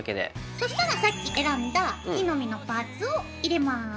そしたらさっき選んだ木の実のパーツを入れます。